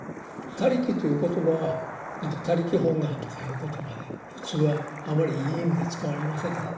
「他力」という言葉はなんか「他力本願」とかいう言葉で普通はあまりいい意味で使われませんね。